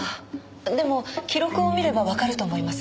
でも記録を見ればわかると思います。